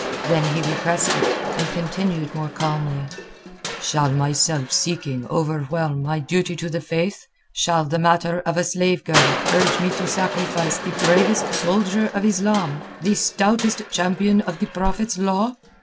Then he repressed it, and continued more calmly—"Shall my self seeking overwhelm my duty to the Faith? Shall the matter of a slave girl urge me to sacrifice the bravest soldier of Islam, the stoutest champion of the Prophet's law?